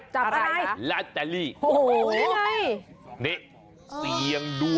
จับอะไรคะลาดแตลลี่โหนี่ไง